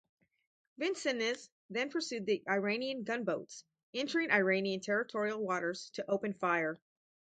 "Vincennes" then pursued the Iranian gunboats, entering Iranian territorial waters to open fire.